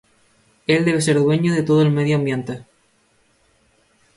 Él debe ser dueño de todo el medio ambiente.